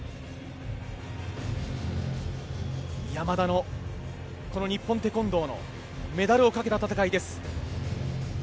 山田の日本テコンドーのメダルをかけた戦いです。